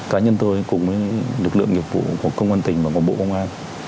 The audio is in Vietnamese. cá nhân tôi cùng với lực lượng nghiệp vụ của công an tỉnh và của bộ công an